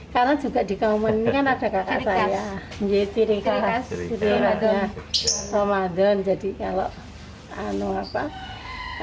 karena juga di kauman ini kan ada kakak saya jadi siring khas siring ramadan